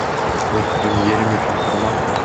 Өз премьерим үчүн турмакмын.